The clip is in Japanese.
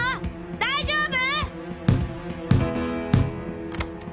大丈夫！？